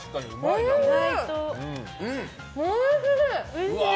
おいしい！